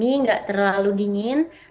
jadi sekarang sudah mulai masuk sim semi